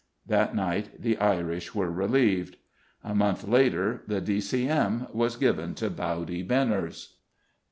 That night the Irish were relieved. A month later the D.C.M. was given to Bowdy Benners.